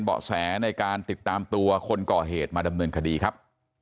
เบาะแสในการติดตามตัวคนก่อเหตุมาดำเนินคดีครับ